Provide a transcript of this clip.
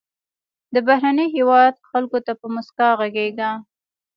د بهرني هېواد خلکو ته په موسکا غږیږه.